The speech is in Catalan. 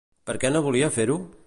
Per què no volia fer-ho?